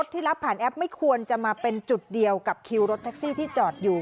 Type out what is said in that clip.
ที่รับผ่านแอปไม่ควรจะมาเป็นจุดเดียวกับคิวรถแท็กซี่ที่จอดอยู่